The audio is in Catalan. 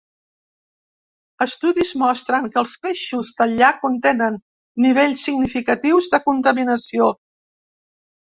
Estudis mostren que els peixos del llac contenen nivells significatius de contaminació.